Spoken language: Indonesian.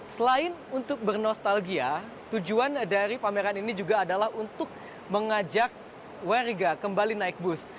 selain untuk bernostalgia tujuan dari pameran ini juga adalah untuk mengajak warga kembali naik bus